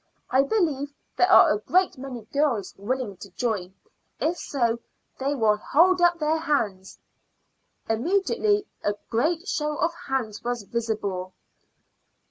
I believe there are a great many girls willing to join. If so, will they hold up their hands?" Immediately a great show of hands was visible.